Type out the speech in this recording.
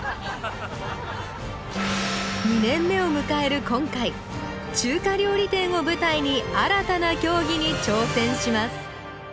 ２年目をむかえる今回中華料理店を舞台に新たな競技に挑戦します